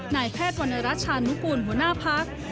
นายแพทย์วรรณรัชชานุกูลหัวหน้าพัก